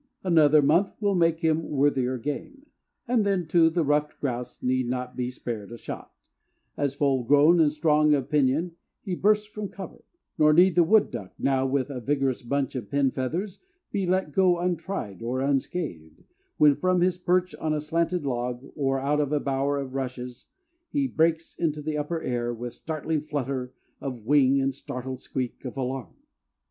Another month will make him worthier game; and then, too, the ruffed grouse need not be spared a shot, as full grown and strong of pinion he bursts from cover; nor need the wood duck, now but a vigorous bunch of pin feathers, be let go untried or unscathed, when from his perch on a slanted log or out of a bower of rushes he breaks into the upper air with startling flutter of wings and startled squeak of alarm.